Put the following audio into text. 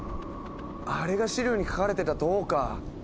あれが資料に描かれてた塔か。